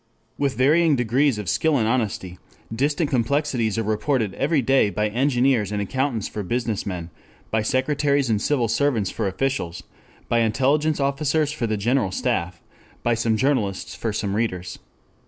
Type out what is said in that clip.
With varying degrees of skill and honesty distant complexities are reported every day by engineers and accountants for business men, by secretaries and civil servants for officials, by intelligence officers for the General Staff, by some journalists for some readers.